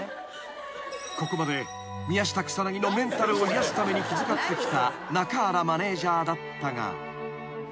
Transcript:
［ここまで宮下草薙のメンタルを癒やすために気遣ってきた中原マネジャーだったが］